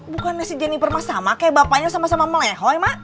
bukannya si jennifer sama kayak bapaknya sama sama meleho emak